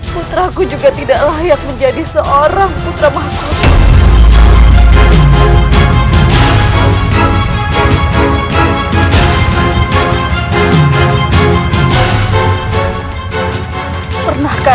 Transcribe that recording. putraku juga tidak akan berkejaya